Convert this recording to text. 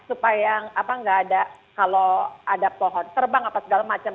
supaya apa nggak ada kalau ada pohon terbang apa segala macam